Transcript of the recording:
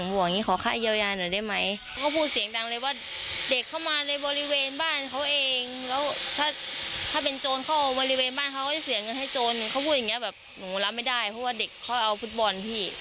ผมบอกอย่างนี้ขอค่าเยียวยาหน่อยได้ไหม